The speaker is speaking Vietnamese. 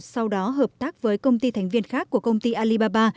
sau đó hợp tác với công ty thành viên khác của công ty alibaba